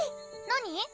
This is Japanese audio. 何？